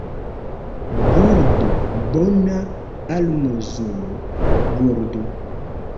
Gurdu, bona almozulo, gurdu!